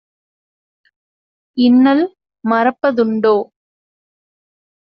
இன்னல் மறப்ப துண்டோ?"